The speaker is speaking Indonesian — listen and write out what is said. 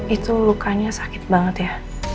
itu lukanya sakit banget ya